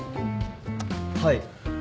・はい。